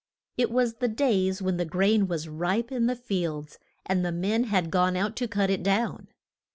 It was the days when the grain was ripe in the fields, and the men had gone out to cut it down.